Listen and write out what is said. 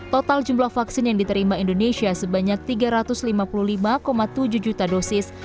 total jumlah vaksin yang diterima indonesia sebanyak tiga ratus lima puluh lima tujuh juta dosis